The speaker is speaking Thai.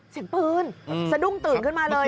เสียงปืนสะดุ้งตื่นขึ้นมาเลย